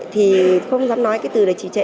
thì không dám nói cái từ này trì trệ